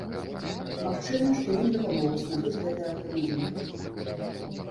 Магчыма, што ім дапамогуць набыць гэты аўтамабіль.